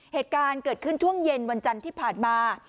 เหตุการณ์เกิดขึ้นช่วงเย็นวันจันทร์ที่ผ่านมา